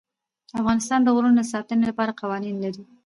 افغانستان د غرونه د ساتنې لپاره قوانین لري.